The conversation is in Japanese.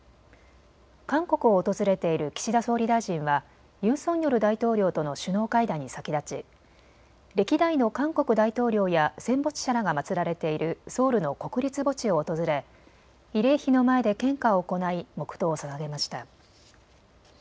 韓国を訪れている岸田総理大臣はユン・ソンニョル大統領との首脳会談に先立ち歴代の韓国大統領や戦没者らが祭られているソウルの国立墓地を訪れ慰霊碑の前で献花を行い黙とうをささげました。